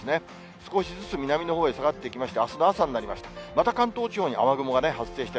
少しずつ南のほうへ下がっていきまして、あすの朝になりました。